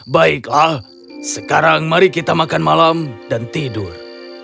baiklah sekarang mari kita makan malam dan tidur